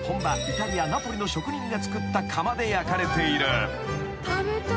イタリアナポリの職人が作った窯で焼かれている］